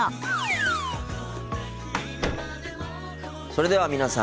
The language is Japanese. それでは皆さん